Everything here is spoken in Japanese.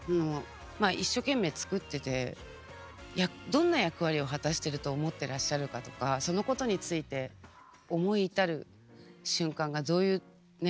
まあ一所懸命作っててどんな役割を果たしてると思ってらっしゃるかとかそのことについて思い至る瞬間がどういうねえ。